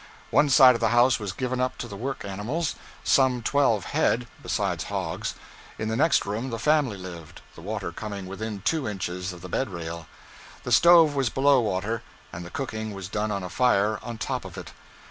One side of the house was given up to the work animals, some twelve head, besides hogs. In the next room the family lived, the water coming within two inches of the bed rail. The stove was below water, and the cooking was done on a fire on top of it.